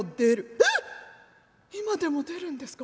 「えっ今でも出るんですか」。